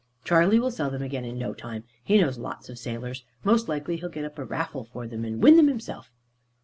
Charley will sell them again in no time. He knows lots of sailors. Most likely he'll get up a raffle for them, and win them himself."